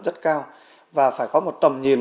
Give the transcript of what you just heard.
rất cao và phải có một tầm nhìn